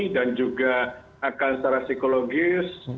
dan juga akan secara psikologis membuat masyarakat juga